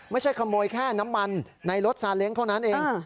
ไม่ใช่ขโมยแค่น้ำมันในรถซาเล้งเท่านั้นเอง